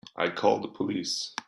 I'll call the police.